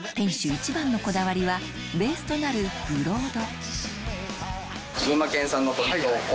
一番のこだわりはベースとなるブロード